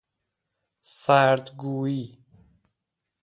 سرد گوئی